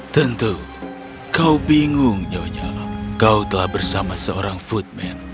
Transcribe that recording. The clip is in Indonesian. tentu kau bingung nyonya kau telah bersama seorang foodman